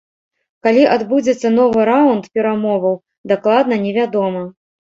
Калі адбудзецца новы раўнд перамоваў, дакладна невядома.